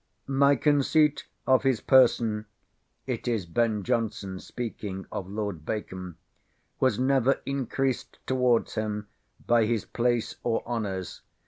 "My conceit of his person,"—it is Ben Jonson speaking of Lord Bacon,—"was never increased towards him by his place or honours.